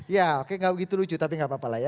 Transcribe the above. ya oke nggak begitu lucu tapi gak apa apa lah ya